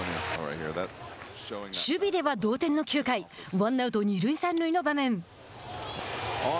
守備では同点の９回ワンアウト、二塁三塁の場面。